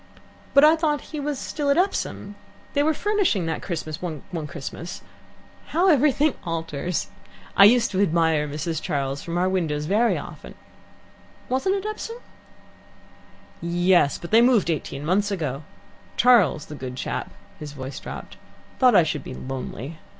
"But I thought he was still at Epsom. They were furnishing that Christmas one Christmas. How everything alters! I used to admire Mrs. Charles from our windows very often. Wasn't it Epsom?" "Yes, but they moved eighteen months ago. Charles, the good chap" his voice dropped "thought I should be lonely.